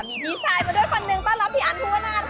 มีพี่ชายมาด้วยคนนึงต้อนรับพี่อันภูวนาค่ะ